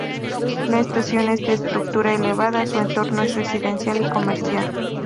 La estación es de estructura elevada, su entorno es residencial y comercial.